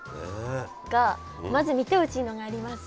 がまず見てほしいのがあります。